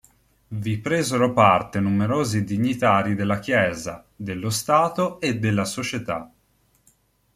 Vi presero parte numerosi dignitari della Chiesa, dello Stato e della società.